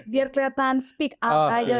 biar kelihatan speak up aja